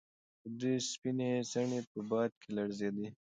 د ده سپینې څڼې په باد کې لړزېدې.